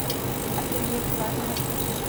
Aktivní je převážně v noci.